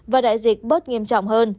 và đại dịch bớt nghiêm trọng hơn